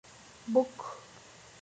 book